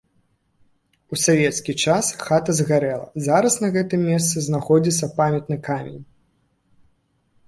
У савецкі час хата згарэла, зараз на гэтым месцы знаходзіцца памятны камень.